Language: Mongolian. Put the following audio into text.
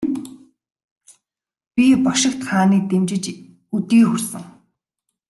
Би бошигт хааныг дэмжиж өдий хүрсэн.